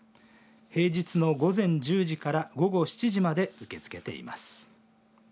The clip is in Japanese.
平日の午前１０時から午後７時まで受け付けています。